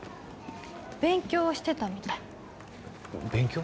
勉強してたみたい勉強？